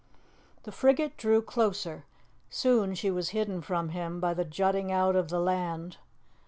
The frigate drew closer; soon she was hidden from him by the jutting out of the land.